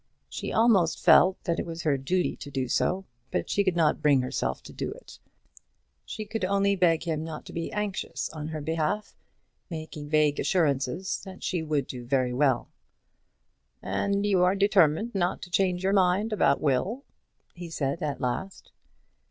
She almost felt that it was her duty to do so, but she could not bring herself to do it. She could only beg him not to be anxious on her behalf, making vague assurances that she would do very well. "And you are determined not to change your mind about Will?" he said at last.